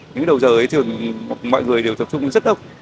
những đầu giờ ấy thường mọi người đều tập trung rất đông